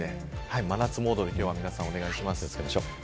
真夏モードで皆さんお願いします。